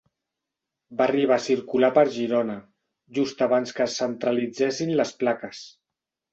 Va arribar a circular per Girona, just abans que es centralitzessin les plaques.